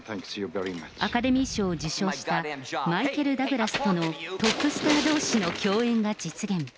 アカデミー賞を受賞したマイケル・ダグラスとのトップスター同士の共演が実現。